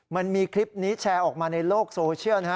มันมีคลิปนี้แชร์ออกมาในโลกโซเชียลนะฮะ